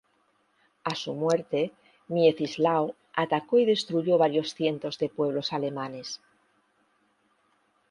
A su muerte, Miecislao atacó y destruyó varios cientos de pueblos alemanes.